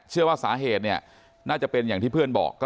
เชื่อว่าสาเหตุเนี่ยน่าจะเป็นอย่างที่เพื่อนบอก